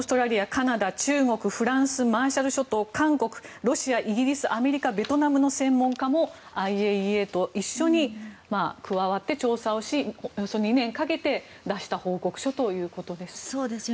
カナダ、中国、フランスマーシャル諸島韓国、ロシア、イギリスアメリカベトナムの専門家もＩＡＥＡと一緒に加わって調査をしおよそ２年かけて出した報告書ということのようです。